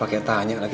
aku tidur dimana mas